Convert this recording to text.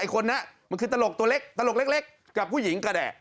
คนนั้นมันคือตลกตัวเล็กตลกเล็กกับผู้หญิงก็ได้